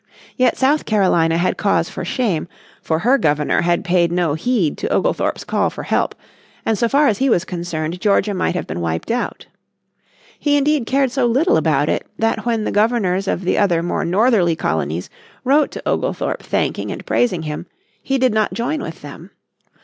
Yet South Carolina had cause for shame, for her Governor had paid no heed to Oglethorpe's call for help, and so far as he was concerned Georgia might have been wiped out. He indeed cared so little about it that when the governors of the other more northerly colonies wrote to Oglethorpe thanking and praising him he did not join with them.